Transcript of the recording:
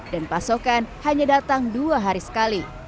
dan pasokan hanya datang dua hari sekali